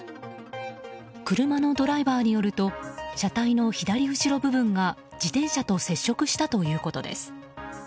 車のドライバーによると車体の左後ろ部分が自転車と接触したということです。